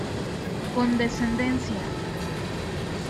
Con descendencia.